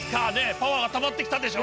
パワーがたまってきたでしょ？